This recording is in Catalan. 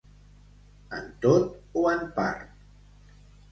En tot o en part.